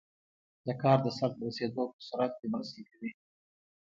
د کار د سرته رسیدو په سرعت کې مرسته کوي.